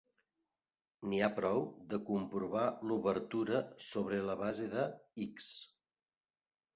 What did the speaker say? N'hi ha prou de comprovar l'obertura sobre la base de "X".